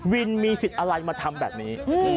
มีสิทธิ์อะไรมาทำแบบนี้